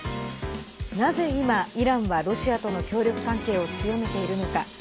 なぜ今、イランはロシアとの協力関係を強めているのか。